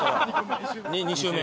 ２周目。